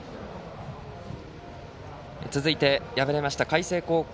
続いて敗れました海星高校。